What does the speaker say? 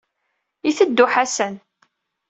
Iteddu Ḥasan.